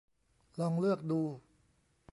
ลองเลือกดู